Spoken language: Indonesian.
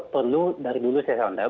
perlu dari dulu saya sound